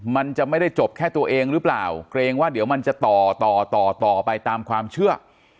มันจะไม่ได้จบแค่ตัวเองหรือเปล่าเกรงว่าเดี๋ยวมันจะต่อต่อต่อต่อต่อไปตามความเชื่อ